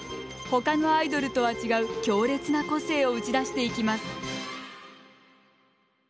他のアイドルとは違う強烈な個性を打ち出していきます。